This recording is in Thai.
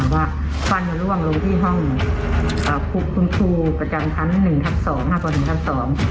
ว่าฟันจะล่วงรถที่ห้องเอาหรือฝูกคุณคูกระจำทั้งหนึ่งทั้งสอง